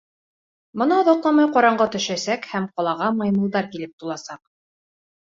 Бына оҙаҡламай ҡараңғы төшәсәк һәм ҡалаға маймылдар килеп туласаҡ.